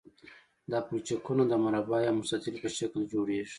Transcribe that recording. دا پلچکونه د مربع یا مستطیل په شکل جوړیږي